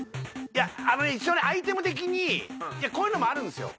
一応ねアイテム的にこういうのもあるんですよ